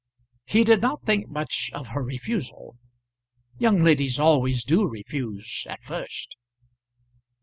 He did not think much of her refusal. Young ladies always do refuse at first.